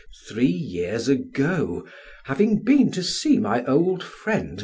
Three years ago, having been to see my old friend, M.